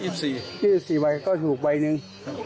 ๒๔ใบก็ถูกใบหนึ่ง